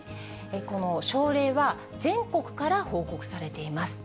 この症例は、全国から報告されています。